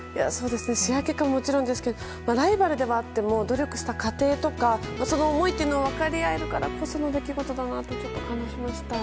試合結果はもちろんですがライバルではあっても努力した過程その思いを分かり合えるからこそ出来事だなと感動しました。